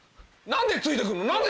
何でついて来るの？